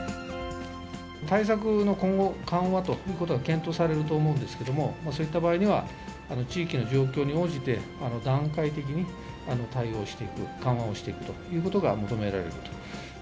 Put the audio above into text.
対策の今後、緩和ということが検討されると思うんですけども、そういった場合には、地域の状況に応じて、段階的に対応していく、緩和をしていくということが求められると。